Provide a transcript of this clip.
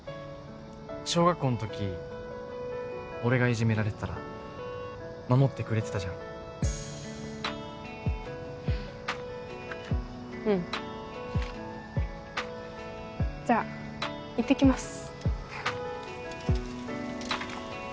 小学校のとき俺がいじめられてたら守ってくれてたじゃんうんじゃあ行ってきます